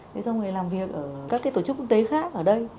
để cho người làm việc ở các tổ chức quốc tế khác ở đây